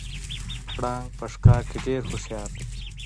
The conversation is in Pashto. پړانګ په ښکار کې ډیر هوښیار دی